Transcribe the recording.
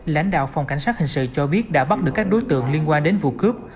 lãnh đạo phòng cảnh sát hình sự cho biết đã bắt được các đối tượng liên quan đến vụ cướp